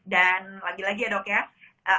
dan lagi lagi ya dok ya